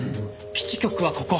基地局はここ。